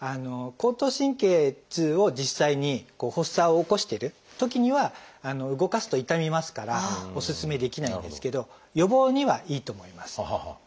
後頭神経痛を実際に発作を起こしてるときには動かすと痛みますからおすすめできないんですけど予防にはいいと思います。